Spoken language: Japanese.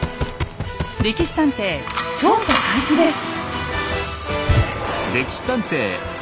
「歴史探偵」調査開始です。